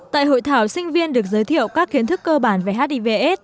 tại hội thảo sinh viên được giới thiệu các kiến thức cơ bản về hiv s